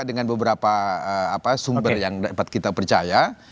dengan beberapa sumber yang dapat kita percaya